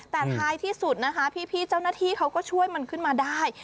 แต่ท้ายที่สุดนะคะพี่เจ้าหน้าที่เขาก็ช่วยมันขึ้นมาได้